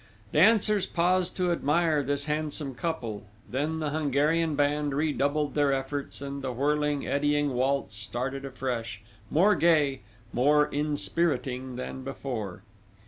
Dancers paused to admire this handsome couple; then the Hungarian band redoubled their efforts, and the whirling, eddying waltz started afresh, more gay, more inspiriting than before.